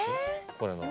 これの。